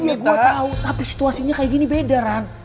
iya gue tau tapi situasinya kayak gini beda ran